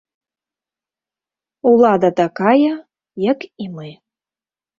Улада такая, як і мы.